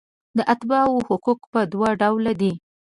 د اتباعو حقوق په دوه ډوله دي.